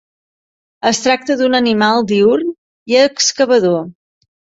Es tracta d'un animal diürn i excavador.